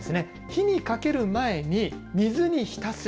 火にかける前に水に浸す。